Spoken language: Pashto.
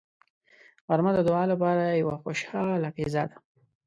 غرمه د دعا لپاره یوه خوشاله فضا ده